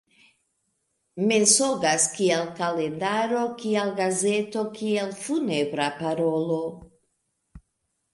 Mensogas kiel kalendaro; kiel gazeto; kiel funebra parolo.